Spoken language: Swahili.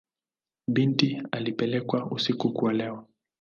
Binti alipelekwa usiku kuolewa.